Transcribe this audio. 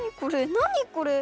なにこれ！